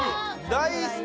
大好き！